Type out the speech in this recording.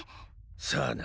さあな。